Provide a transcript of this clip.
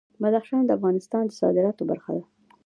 بدخشان د افغانستان د صادراتو برخه ده.